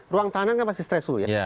ruang tahanan kan pasti stresshow ya